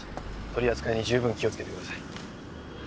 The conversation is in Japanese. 取り扱いに十分気をつけてください。